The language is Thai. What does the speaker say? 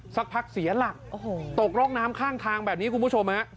สักพักเสียหลักตกร่องน้ำข้างทางแบบนี้คุณผู้ชมฮะ